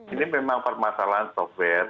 ini memang permasalahan software